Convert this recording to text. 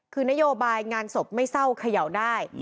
คือนโยบายงานศพไม่เศร้าเขย่าได้